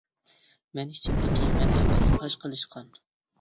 مەن ئىچىمدىكى مەن ئەمەس پاش قىلىش قان.